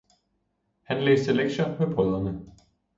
han læste lektier med brødrene.